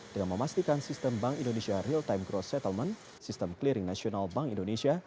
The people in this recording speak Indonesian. dengan memastikan sistem bank indonesia real time growth settlement sistem clearing nasional bank indonesia